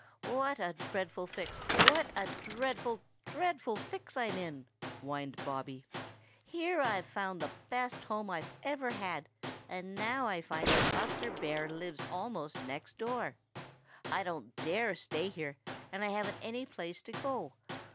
"What a dreadful fix, what a dreadful, dreadful fix I'm in," whined Bobby. "Here I've found the best home I've ever had, and now I find that Buster Bear lives almost next door. I don't dare stay here, and I haven't any place to go.